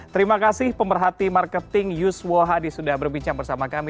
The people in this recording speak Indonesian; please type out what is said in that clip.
terima kasih pemerhati marketing yuswo hadi sudah berbincang bersama kami